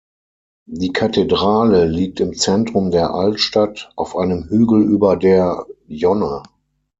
Die Kathedrale liegt im Zentrum der Altstadt auf einem Hügel über der Yonne.